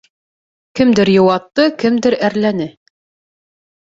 Кемдер йыуатты, кемдер әрләне...